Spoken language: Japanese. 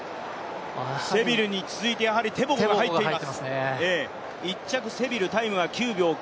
セビルに続いて、やはりテボゴも入っています。